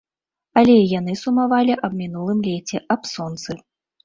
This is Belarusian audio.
Але і яны сумавалі аб мінулым леце, аб сонцы.